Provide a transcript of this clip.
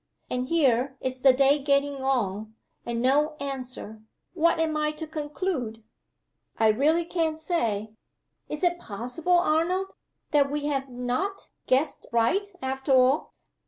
And here is the day getting on, and no answer! What am I to conclude?" "I really can't say!" "Is it possible, Arnold, that we have not guessed right, after all?